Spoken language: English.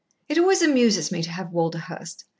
It always amuses me to have Walderhurst.